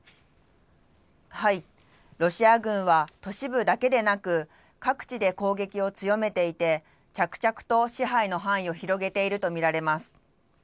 ロシア軍は、都市部だけでなく、各地で攻撃を強めていて、着々と支配の範囲を広げているとみられます。